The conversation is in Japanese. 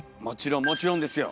もちろんですよ！